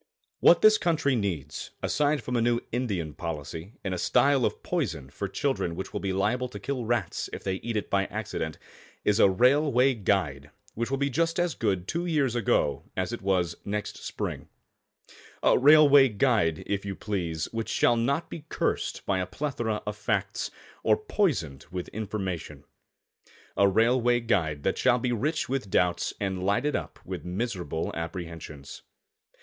] What this country needs, aside from a new Indian policy and a style of poison for children which will be liable to kill rats if they eat it by accident, is a Railway Guide which will be just as good two years ago as it was next spring a Railway Guide, if you please, which shall not be cursed by a plethora of facts, or poisoned with information a Railway Guide that shall be rich with doubts and lighted up with miserable apprehensions.